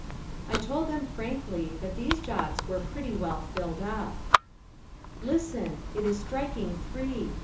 I told them frankly that these jobs were pretty well filled up. Listen! It is striking three.